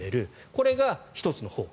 これが１つのほう。